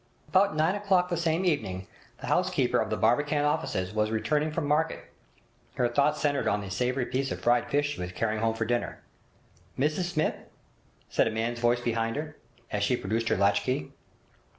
About nine o'clock the same evening the housekeeper of the Barbican offices was returning from market, her thoughts centred on the savoury piece of fried fish she was carrying home for supper. 'Mrs Smith?' said a man's voice behind her, as she produced her latch key.